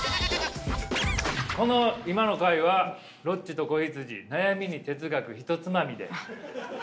この今の回は「ロッチと子羊悩みに哲学ひとつまみ」で！